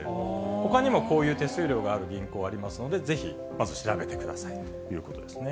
ほかにもこういう手数料がある銀行ありますので、ぜひまず調べてくださいということですね。